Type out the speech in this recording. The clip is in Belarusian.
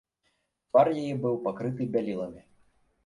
Твар яе быў пакрыты бяліламі.